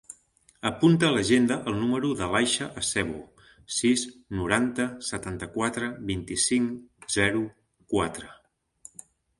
Apunta a l'agenda el número de l'Aixa Acebo: sis, noranta, setanta-quatre, vint-i-cinc, zero, quatre.